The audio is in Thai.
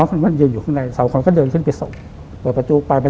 ที่มีสบาย